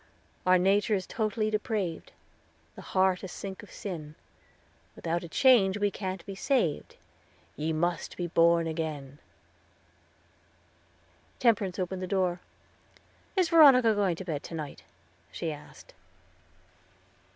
"Our nature's totally depraved The heart a sink of sin; Without a change we can't be saved, Ye must be born again." Temperance opened the door. "Is Veronica going to bed to night?" she asked.